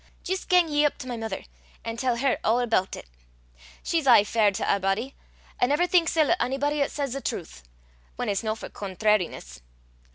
Jist gang ye up to my mither, an' tell her a' aboot it. She's aye fair to a' body, an' never thinks ill o' onybody 'at says the trowth whan it's no for contrariness.